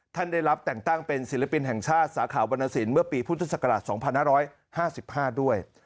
ท่านได้รับแต่งตั้งเป็นศิลปินแห่งชาติสาขาวรรณสินเมื่อปีพุทธศักราช๒๕๕๕ด้วย